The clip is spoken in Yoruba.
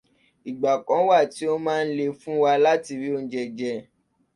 Nígbà kan wa tí ó máa ń le fún wa láti rí oúnjẹ jẹ.